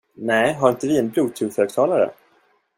Nej, har inte vi en Bluetoothhögtalare?